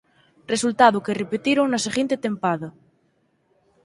Resultado que repetiron na seguinte tempada.